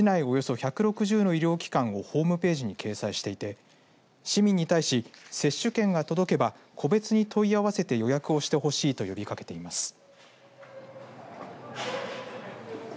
およそ１６０の医療機関をホームページに掲載していて市民に対し接種券が届けば、個別に問い合わせて予約をしてほしいと呼びかけています。